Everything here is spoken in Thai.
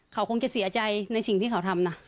เขาคงจะเสียใจในสิ่งที่เขาทำนะ